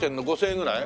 ５０００円ぐらい？